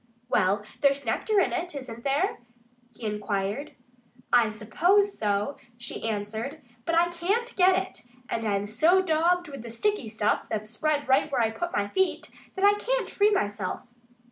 "Well, there's nectar in it, isn't there?" he inquired. "I suppose so," she answered. "But I can't get it. And I'm so daubed with the sticky stuff that's spread right where I put my feet that I can't free myself."